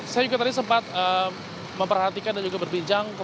saya juga tadi sempat memperhatikan dan juga berbincang